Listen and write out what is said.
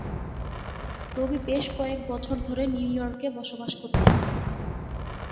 রবি বেশ কয়েক বছর ধরে নিউ ইয়র্কে বসবাস করছেন।